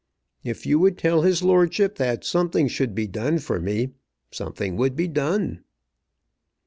If you would tell his lordship that something should be done for me, something would be done."